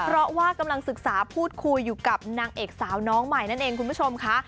เพราะว่ากำลังศึกษาพูดคุยอยู่กับนางเอกสาวน้องใหม่นั่นเองคุณผู้ชมค่ะ